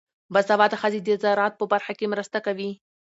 باسواده ښځې د زراعت په برخه کې مرسته کوي.